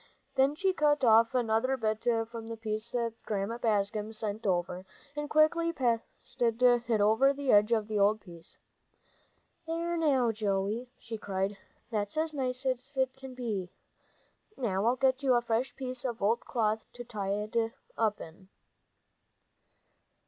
Then she cut off another bit from the piece Grandma sent over, and quickly pasted it over the edge of the old piece. "There now, Joey," she cried, "that's as nice as can be! Now I'll get you a fresh piece of cloth to tie it up in."